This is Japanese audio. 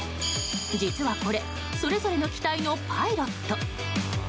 実はこれそれぞれの機体のパイロット。